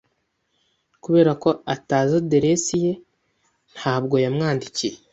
Kubera ko atazi aderesi ye, ntabwo yamwandikiye.